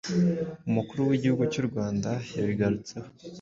Umukuru w’Igihugu cy’u Rwanda yabigarutseho